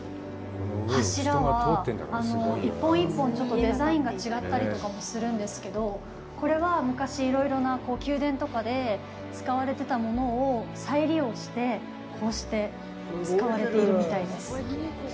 柱は、一本一本、ちょっとデザインが違ったりとかもするんですけどこれは、昔いろいろな宮殿とかで使われていたものを再利用してこうして使われているみたいです。